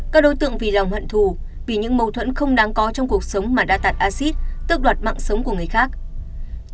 các đối tượng vì lòng hận thù vì những mâu thuẫn không đáng có trong cuộc sống mà đã tạt axit tức đoạt mạng sống của người khác